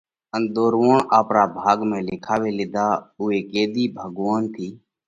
ان ۮورووڻ آپرا ڀاڳ ۾ لکاوي لِيڌا، اُوئي ڪِيۮي ڀڳوونَ ٿِي